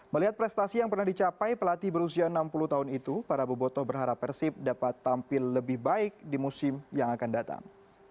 melihat prestasi yang pernah dicapai pelatih berusia enam puluh tahun itu para boboto berharap persib dapat tampil lebih baik di musim yang akan datang